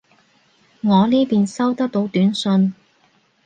我呢邊收得到短信